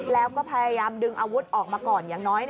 แล้วก็พยายามดึงอาวุธออกมาก่อนอย่างน้อย